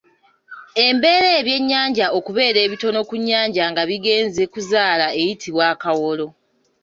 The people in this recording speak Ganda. Embeera ebyennyanja okubeera ebitono ku nnyanja nga bigenze kuzaala eyitibwa akawolo .